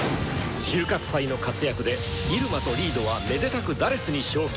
収穫祭の活躍で入間とリードはめでたく「４」に昇級した。